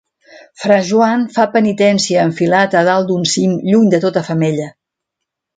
Fra Joan fa penitència enfilat a dalt d’un cim, lluny de tota femella.